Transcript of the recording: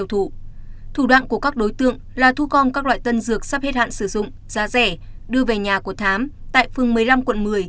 thủ đoạn của các đối tượng là thu gom các loại tân dược sắp hết hạn sử dụng giá rẻ đưa về nhà của thám tại phường một mươi năm quận một mươi